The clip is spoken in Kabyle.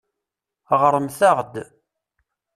Ɣṛemt-aɣ-d.